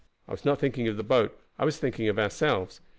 "I was not thinking of the boat; I was thinking of ourselves.